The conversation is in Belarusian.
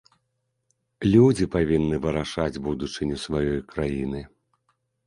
Людзі павінны вырашаць будучыню сваёй краіны.